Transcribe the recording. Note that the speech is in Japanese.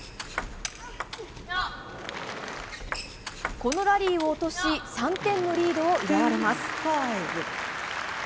このラリーを落とし、３点のリードを奪われます。